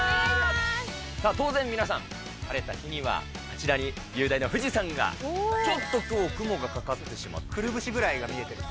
当然皆さん、晴れた日にはあちらに雄大な富士山が、ちょっときょう、雲がかかってしまって、くるぶしぐらいが見えてる。